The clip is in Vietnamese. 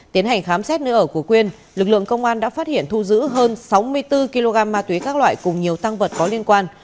tiến hành khám xét nơi ở của quyên lực lượng công an đã phát hiện thu giữ hơn sáu mươi bốn kg ma túy các loại cùng nhiều tăng vật có liên quan